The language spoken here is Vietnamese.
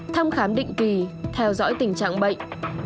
thăm khám định kỳ theo dõi tình trạng bệnh